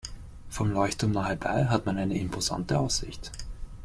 Vom Leuchtturm nahebei hat man eine imposante Aussicht.